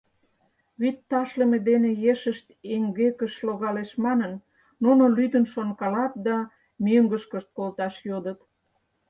Вӱд ташлыме дене ешышт эҥгекыш логалеш манын, нуно лӱдын шонкалат да мӧҥгышкышт колташ йодыт.